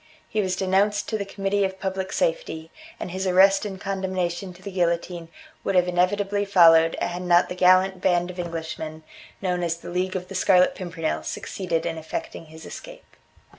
He was denounced to the Committee of Public Safety, and his arrest and condemnation to the guillotine would have inevitably followed had not the gallant band of Englishmen, known as the League of the Scarlet Pimpernel, succeeded in effecting his escape.